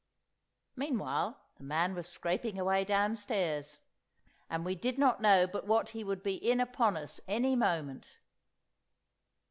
Meanwhile the man was scraping away downstairs, and we did not know but what he would be in upon us any moment.